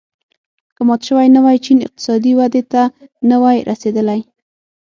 که مات شوی نه وای چین اقتصادي ودې ته نه وای رسېدلی.